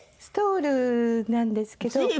ストールなんですけど。